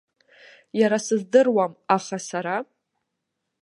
Иара сыздыруам, аха сара.